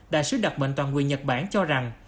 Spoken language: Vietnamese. đại sứ đặc mệnh toàn quyền nhật bản cho rằng